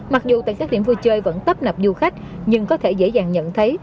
mặc dù tại các điểm vui chơi vẫn tấp nập du khách nhưng có thể dễ dàng nhận thấy